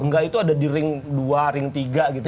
enggak itu ada di ring dua ring tiga gitu